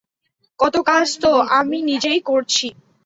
কত কাজ তো আমি নিজেই করছি।